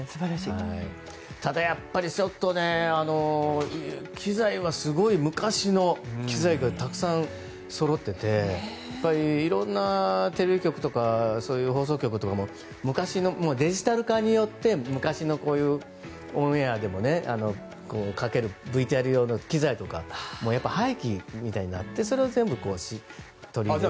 ただ、ちょっとすごい昔の機材がたくさんそろっていていろんなテレビ局とかそういう放送局とかもデジタル化によって昔のこういうオンエアなどもかけるＶＴＲ用の機材とか廃棄みたいになってそれを全部取り入れてる。